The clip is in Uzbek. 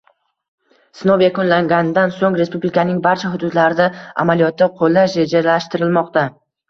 Sinov yakunlanganidan so‘ng Respublikaning barcha hududlarida amaliyotda qo‘llash rejalashtirilmoqda